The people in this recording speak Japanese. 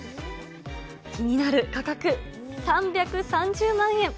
気になる価格３３０万円。